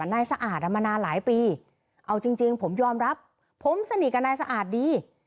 สะอาดอ่ะมานานหลายปีเอาจริงผมยอมรับผมสนิทกับนายสะอาดดี